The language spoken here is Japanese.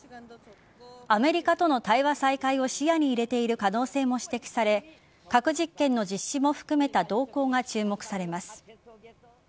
アメリカとの対話再開も視野に入れている可能性も指摘され核実験の実施も含めた動向が注目されます。